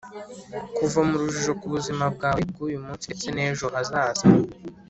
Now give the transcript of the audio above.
kuva mu rujijo ku buzima bwawe bw’uyu munsi ndetse n’ejo hazaza